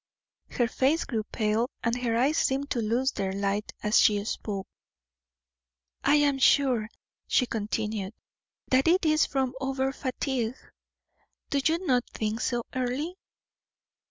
Her face grew pale, and her eyes seemed to lose their light as she spoke. "I am sure," she continued, "that it is from over fatigue. Do you not think so, Earle?"